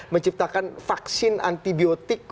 menciptakan vaksin antibiotik